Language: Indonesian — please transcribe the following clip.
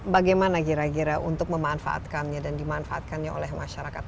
bagaimana kira kira untuk memanfaatkannya dan dimanfaatkannya oleh masyarakat